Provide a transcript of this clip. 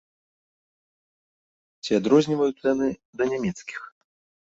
Ці адрозніваюцца яны да нямецкіх?